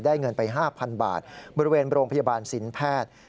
เงินไป๕๐๐๐บาทบริเวณโรงพยาบาลสินแพทย์